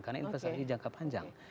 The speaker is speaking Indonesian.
karena ini jangka panjang